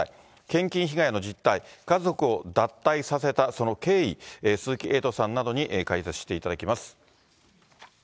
献金被害の実態、家族を脱退させたその経緯、鈴木エイトさんに解説していただきます。